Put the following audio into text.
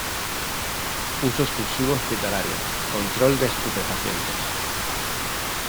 Uso exclusivo hospitalario, control de estupefacientes.